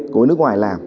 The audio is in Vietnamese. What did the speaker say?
của nước ngoài làm